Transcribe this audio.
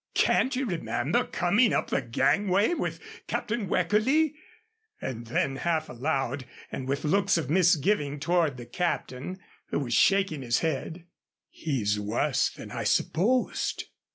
Can't you remember coming up the gangway with Captain Weckerly?" And then, half aloud, and with looks of misgivings toward the Captain, who was shaking his head, "He's worse than I supposed."